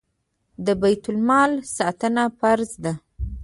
د بیت المال ساتنه فرض ده